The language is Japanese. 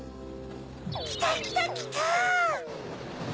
きたきたきた！